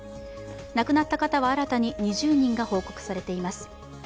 亡くなった方は新たに２０人が報告されています。